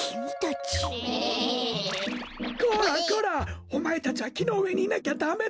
こらこらおまえたちはきのうえにいなきゃダメだろ。